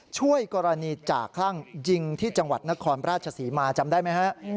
ช่วยกรณีจ่าคลั่งยิงที่จังหวัดนครราชศรีมาจำได้ไหมฮะ